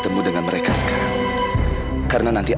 seseorang yang menjigilamu tadi